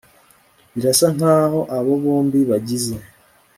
Birasa nkaho abo bombi bagize